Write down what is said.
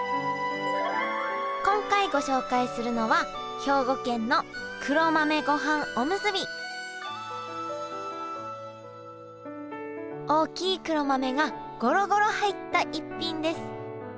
今回ご紹介するのは大きい黒豆がゴロゴロ入った逸品です。